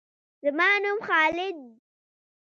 زما نوم خالد دهاو د لوګر یم